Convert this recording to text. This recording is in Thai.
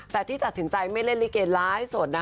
แต่ที่ที่ตัดสินใจเป็นลิเกส์ล้ายส่วนนะ